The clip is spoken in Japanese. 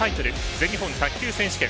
全日本卓球選手権。